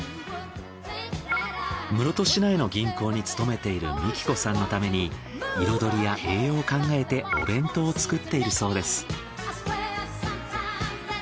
室戸市内の銀行に勤めている幹子さんのために彩りや栄養を考えてお弁当を作っているそうです。